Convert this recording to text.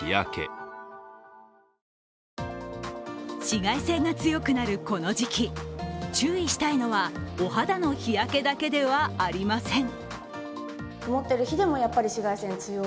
紫外線が強くなるこの時期注意したいのはお肌の日焼けだけではありません。